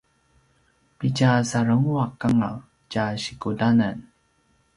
pitja sarenguaq anga tja sikudanan